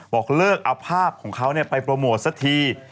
บอกเลิกเอาภาพของเขาไปโปรโมทสักที